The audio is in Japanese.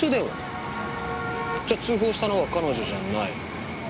じゃあ通報したのは彼女じゃない。